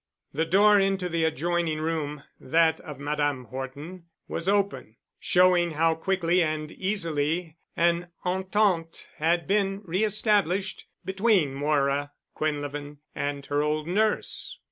The door into the adjoining room, that of Madame Horton, was open, showing how quickly and easily an entente had been re established between Moira Quinlevin and her old nurse.